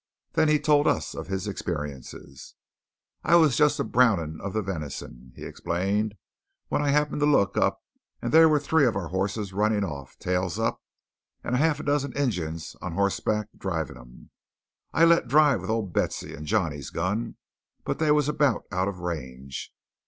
Then he told us his experience. "I was just a browning of the venison," he explained, "when I happened to look up, and thar was three of our hosses running off, tails up, and a half dozen Injuns a hoss back driving 'em. I let drive with old Betsey and Johnny's gun, but they was about out of range.